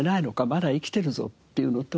まだ生きてるぞ」っていうのと。